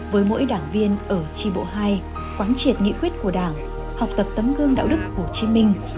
với mỗi đảng viên ở tri bộ hai quán triệt nghị quyết của đảng học tập tấm gương đạo đức hồ chí minh